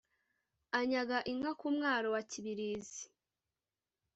anyaga inka ku mwaro wa kibirizi.